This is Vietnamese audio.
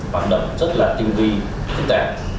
hoạt động rất là tinh vi tinh tẻ